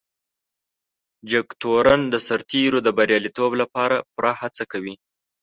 جګتورن د سرتیرو د بريالیتوب لپاره پوره هڅه کوي.